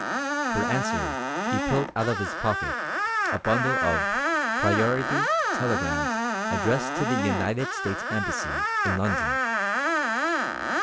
For answer he pulled out of his pocket a bundle of "priority" telegrams addressed to the United States Embassy in London.